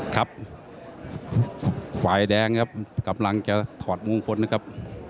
ครับฝ่ายแดงครับกำลังจะถอดมงคลนะครับ